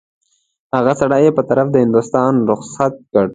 هغه سړی یې په طرف د هندوستان رخصت کړ.